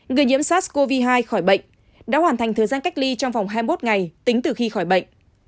người nhiễm sars cov hai khỏi bệnh đã hoàn thành thời gian cách ly trong vòng hai mươi một ngày tính từ khi khỏi bệnh